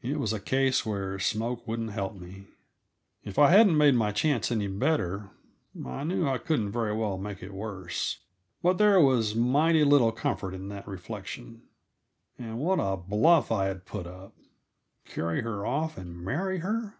It was a case where smoke wouldn't help me. If I hadn't made my chance any better, I knew I couldn't very well make it worse; but there was mighty little comfort in that reflection. And what a bluff I had put up! Carry her off and marry her?